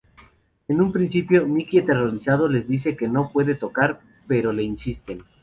En un principio, Mickey, aterrorizado les dice que no puede tocar, pero le insisten.